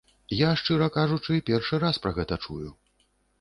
Я, шчыра кажучы, першы раз пра гэта чую.